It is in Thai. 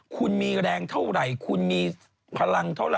คุณมีแรงเท่าไหร่